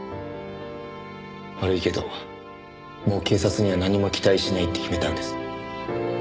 悪いけどもう警察には何も期待しないって決めたんです。